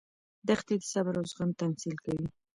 دښتې د صبر او زغم تمثیل کوي.